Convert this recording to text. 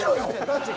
どっち？